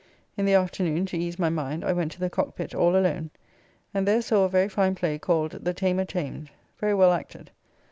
In the afternoon, to ease my mind, I went to the Cockpit all alone, and there saw a very fine play called "The Tamer Tamed;" very well acted.